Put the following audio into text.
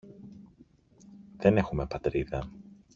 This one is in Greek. Δεν έχουμε Πατρίδα!